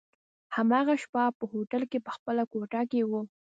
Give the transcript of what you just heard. هماغه شپه په هوټل کي په خپله کوټه کي وو.